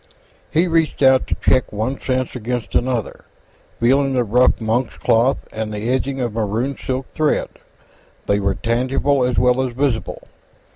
He reached out to check one sense against another, feeling the rough monk's cloth and the edging of maroon silk thread. They were tangible as well as visible.